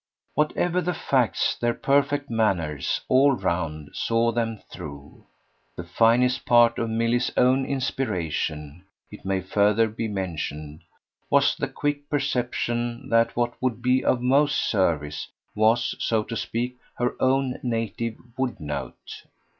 Whatever the facts, their perfect manners, all round, saw them through. The finest part of Milly's own inspiration, it may further be mentioned, was the quick perception that what would be of most service was, so to speak, her own native wood note.